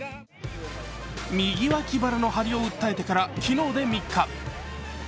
右脇腹の張りを訴えてから、昨日で３日。